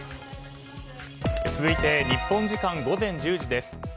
続いて日本時間午前１０時です。